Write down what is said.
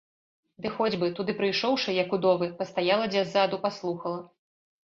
Ды хоць бы, туды прыйшоўшы, як удовы, пастаяла дзе ззаду, паслухала.